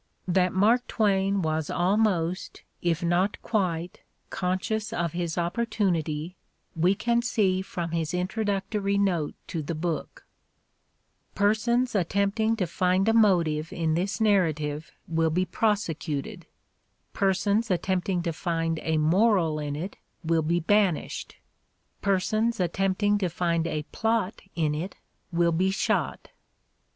That Mark Twain was almost, if not quite, conscious of his opportunity we can see from his introductory note to the book: "Persons at tempting to find a motive in this narrative will be prose cuted; persons attempting to find a moral in it will be banished; persons attempting to find a plot in it vsdll be shot."